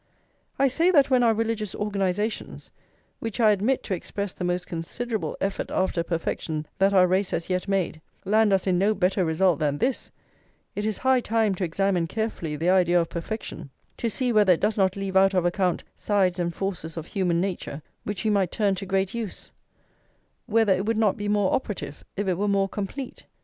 I say that when our religious organisations, which I admit to express the most considerable effort after perfection that our race has yet made, land us in no better result than this, it is high time to examine carefully their idea of perfection, to see whether it does not leave out of account sides and forces of human nature which we might turn to great use; whether it would not be more operative if it were more complete.